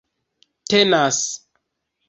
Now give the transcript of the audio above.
tenas